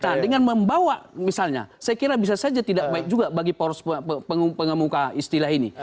nah dengan membawa misalnya saya kira bisa saja tidak baik juga bagi poros pengemuka istilah ini